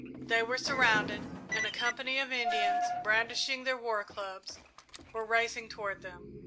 They were surrounded, and a company of Indians, brandishing their war clubs, were racing toward them.